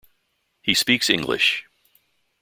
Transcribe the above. He speaks English.